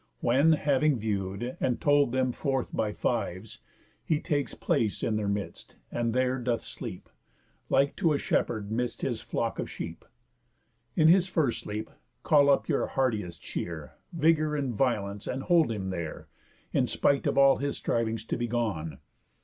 When having view'd, and told them forth by fives, He takes place in their midst, and there doth sleep, Like to a shepherd midst his flock of sheep. In his first sleep, call up your hardiest cheer, Vigour and violence, and hold him there, In spite of all his strivings to be gone.